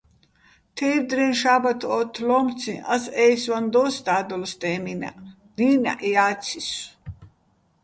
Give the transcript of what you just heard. "თეჲვდრეჼ შაბათ" ოთთლო́მციჼ ას აჲსვაჼ დო́ს და́დოლ სტე́მინაჸ, დი́ნაჸ ჲაცისო̆.